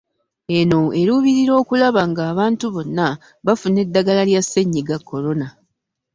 Eno eruubirira okulaba ng'abantu bonna bafuna eddagala lya Ssennyiga Corona